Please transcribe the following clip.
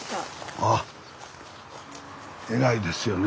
あっえらいですよね。